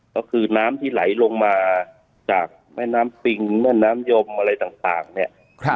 ก็คือน้ำที่ไหลลงมาจากแม่น้ำปิงแม่น้ำยมอะไรต่างเนี่ย